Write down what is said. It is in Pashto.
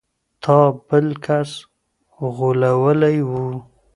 تا بل کس غولولی و.